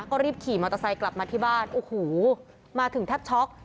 ก็รีบขี่มอเตอร์ไซค์กลับมาที่บ้านโอ้โหมาถึงแทบช็อก